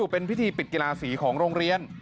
เป็นพิธีปิดกีฬาสีของโรงเรียน